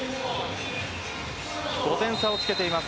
５点差をつけています。